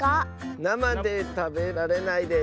なまでたべられないです。